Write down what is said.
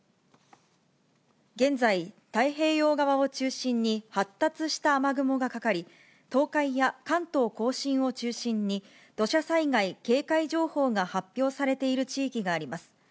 現在、太平洋側を中心に発達した雨雲がかかり、東海や関東甲信を中心に、土砂災害警戒情報が発表されている地域があります。